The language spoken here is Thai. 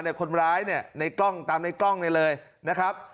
แต่คนร้ายในกล้องตามในกล้องเลยนะครับ